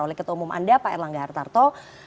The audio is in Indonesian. oleh ketua umum anda pak erlangga hartarto